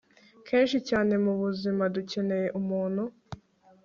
Kenshi cyane mubuzima dukeneye umuntu